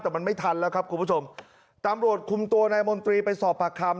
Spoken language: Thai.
แต่มันไม่ทันแล้วครับคุณผู้ชมตำรวจคุมตัวนายมนตรีไปสอบปากคำ